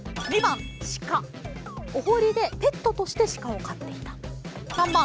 お堀でペットとしてシカを飼っていた。